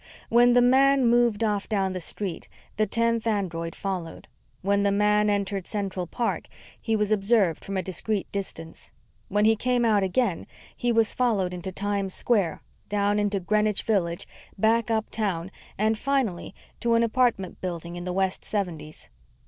When the man moved off down the street, the tenth android followed. When the man entered Central Park, he was observed from a discreet distance. When he came out again, he was followed into Times Square, down into Greenwich Village, back uptown and, finally, to an apartment building in the West Seventies.